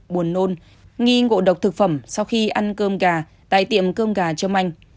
buồn nôn nghi ngộ độc thực phẩm sau khi ăn cơm gà tại tiệm cơm gà trâm anh